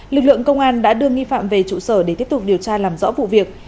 lực lượng công an đã đưa nghi phạm về trụ sở để tiếp tục điều tra làm rõ vụ việc